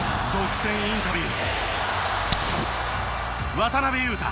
渡邊雄太